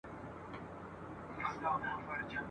د علم په زده کړه کي جنسیت مطرح نه دئ.